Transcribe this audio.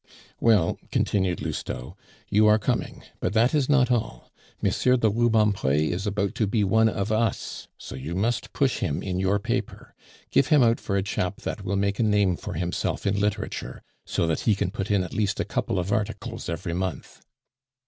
"Well," continued Lousteau, "you are coming; but that is not all. M. de Rubempre is about to be one of us, so you must push him in your paper. Give him out for a chap that will make a name for himself in literature, so that he can put in at least a couple of articles every month."